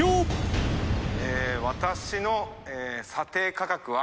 私の査定価格は。